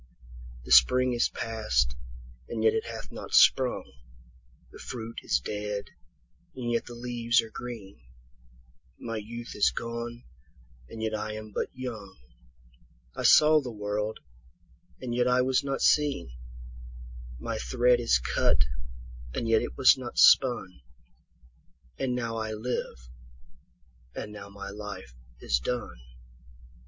7The spring is past, and yet it hath not sprung,8The fruit is dead, and yet the leaves are green,9My youth is gone, and yet I am but young,10I saw the world, and yet I was not seen,11My thread is cut, and yet it was not spun,12And now I live, and now my life is done.